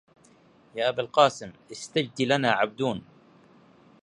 يا أبا القاسم إستجد لنا عبدون